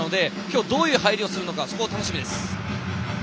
今日、どういう入りをするのかそこは楽しみです。